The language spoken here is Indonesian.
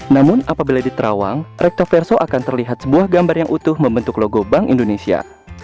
namun apabila diterawang rektoverso akan terlihat sebuah gambar yang utuh membentuk logo bank indonesia